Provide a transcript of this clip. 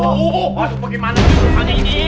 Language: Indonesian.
aduh bagaimana sih urutannya ini